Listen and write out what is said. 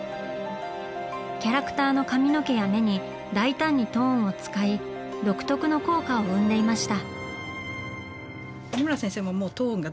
キャラクターの髪の毛や目に大胆にトーンを使い独特の効果を生んでいました。